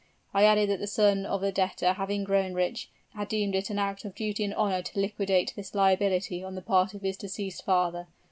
I added that the son of the debtor having grown rich, had deemed it an act of duty and honor to liquidate this liability on the part of his deceased father.